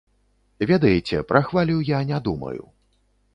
Ведаеце, пра хвалю я не думаю.